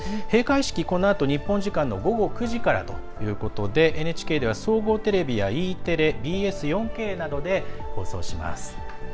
閉会式、このあと日本時間の午後９時からということでＮＨＫでは総合テレビやＥテレＢＳ４Ｋなどで放送します。